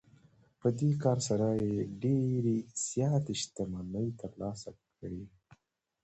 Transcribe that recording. په دې کار سره یې ډېرې زیاتې شتمنۍ ترلاسه کړې